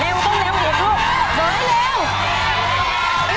ไอ้ยี่หมี่